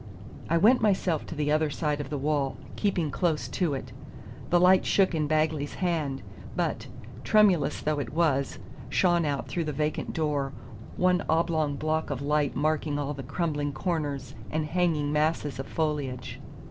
I went myself to the other side of the wall, keeping close to it. The light shook in Bagley's hand, but, tremulous though it was, shone out through the vacant door, one oblong block of light marking all the crumbling corners and hanging masses of foliage.